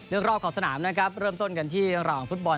เลือกรอบขอดสนามเริ่มต้นกันที่ระวังฟุตบอล